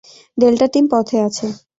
Delta team পথে আছে।